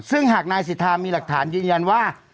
ซึ่งหากนายสิทธามีหลักฐานยืนยันว่า